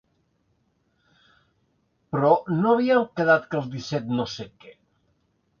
Però no havíem quedat que el disset no que?